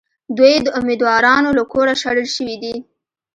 دوی د اُمیدوارانو له کوره شړل شوي دي.